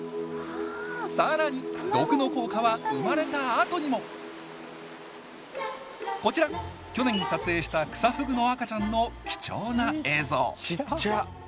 更に毒の効果は生まれたあとにも。こちら去年撮影したクサフグの赤ちゃんの貴重な映像ちっちゃ！